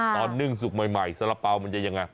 นึ่งสุกใหม่สาระเป๋ามันจะยังไง